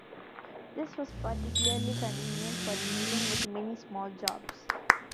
This was particularly convenient for dealing with many small jobs.